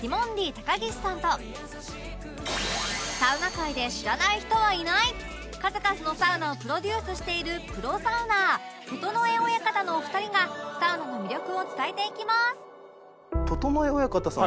高岸さんとサウナ界で知らない人はいない数々のサウナをプロデュースしているプロサウナーととのえ親方のお二人がサウナの魅力を伝えていきます